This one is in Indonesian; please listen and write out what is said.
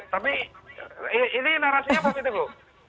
tapi ini narasinya apa gitu gu